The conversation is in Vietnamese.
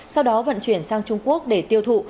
sau đó vận chuyển sang trung quốc để tiêu thụ